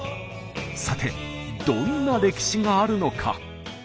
さてどんな歴史があるのか？